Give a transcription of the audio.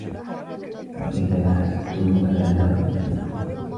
وَإِذَا حَسَدْتُمْ فَلَا تَبْغُوا